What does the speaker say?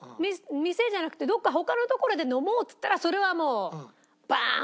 「店じゃなくてどこか他の所で飲もう」っつったらそれはもうバーン！